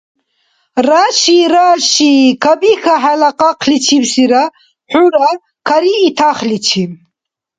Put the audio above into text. Раши, раши кабихьа хӀела къакъличибсира, хӀура карии тахличи.